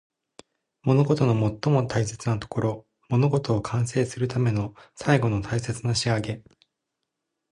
物事の最も大切なところ。物事を完成するための最後の大切な仕上げ。